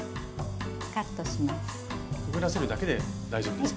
くぐらせるだけで大丈夫ですね。